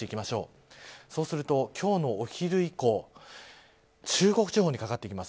そうすると今日のお昼以降中国地方に掛かってきます。